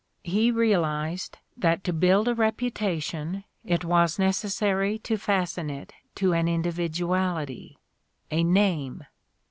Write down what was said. He realized that to build a reputa tion it was necessary to fasten it to an individuality, a name.